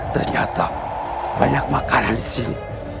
ternyata banyak makanan di sini